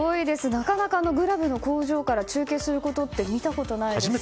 なかなか、あのグラブの工場から中継することって見たことないですね。